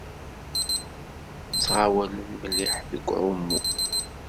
Ttɣawalen mliḥ deg uɛumu.